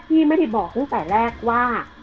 พี่ไม่ได้บอกตั้งแต่แรกว่า